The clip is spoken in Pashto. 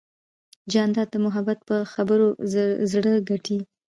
جانداد د محبت په خبرو زړه ګټي.